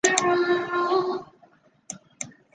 郭衍派船搬运粮食救援。